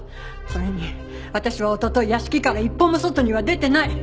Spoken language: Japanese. それに私はおととい屋敷から一歩も外には出てない。